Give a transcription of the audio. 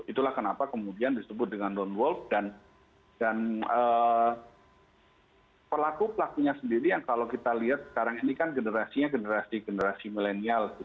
itulah kenapa kemudian disebut dengan non wolf dan pelaku pelakunya sendiri yang kalau kita lihat sekarang ini kan generasinya generasi generasi milenial